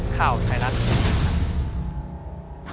ข่าวไทยรัฐทีวีครับ